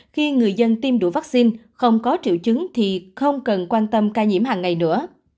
khi người dân tiêm đủ vaccine không có triệu chứng thì không cần quan tâm ca nhiễm hàng ngày nữa